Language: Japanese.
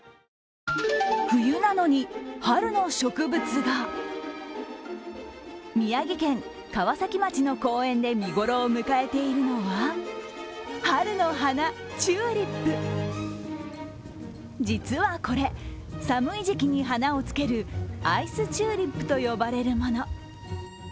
冬なのに、春の植物が宮城県川崎町の公園で見ごろを迎えているのは春の花、チューリップ実はこれ、寒い時期に花をつけるアイスチューリップと呼ばれるもの。